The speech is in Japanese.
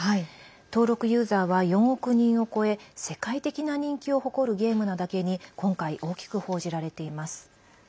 登録ユーザーは４億人を超え世界的な人気を誇るゲームなだけに今回、大きく報じられています。